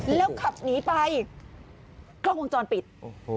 แล้วขับหนีไปกล้องวงจรปิดโอ้โห